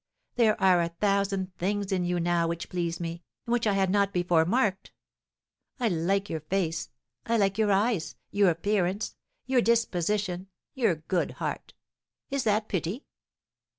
There are a thousand things in you now which please me, and which I had not before marked. I like your face, I like your eyes, your appearance, your disposition, your good heart. Is that pity?